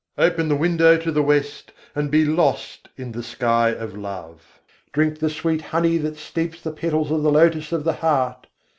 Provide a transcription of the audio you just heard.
Open the window to the west, and be lost in the sky of love; Drink the sweet honey that steeps the petals of the lotus of the heart.